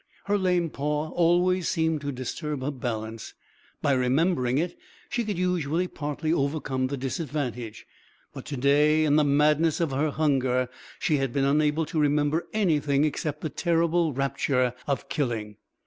Her lame paw always seemed to disturb her balance. By remembering it, she could usually partly overcome the disadvantage; but to day, in the madness of her hunger, she had been unable to remember anything except the terrible rapture of killing.